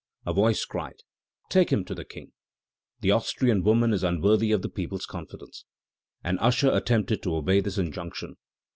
A voice cried: "Take him to the King! The Austrian woman is unworthy of the people's confidence." An usher attempted to obey this injunction.